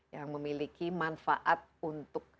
yang memiliki manfaat untuk